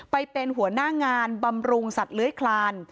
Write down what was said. ไปเป็นหัวหน้างานบำรุงสัตว์เลื้อยคลาน